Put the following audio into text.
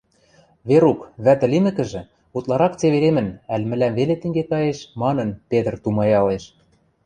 «Верук, вӓтӹ лимӹкӹжӹ, утларак цеверемӹн, ӓль мӹлӓм веле тенге каеш», — манын, Петр тумаялеш.